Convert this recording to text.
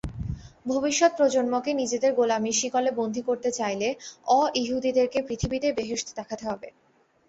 ভবিষ্যৎ প্রজন্মকে নিজেদের গোলামীর শিকলে বন্দি করতে চাইলে অ-ইহুদীদেরকে পৃথিবীতেই বেহেশত দেখাতে হবে।